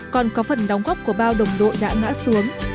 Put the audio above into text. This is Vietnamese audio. còn có phần đóng góp của bao đồng đội đã ngã xuống